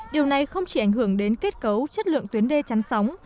điều này không chỉ ảnh hưởng đến kết cấu chất lượng tuyến đê chăn sóng